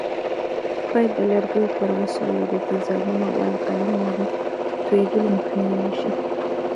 باید د لرګیو پر وسایلو د تیزابونو او القلي موادو توېدلو مخنیوی وشي.